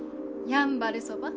やんばるそば？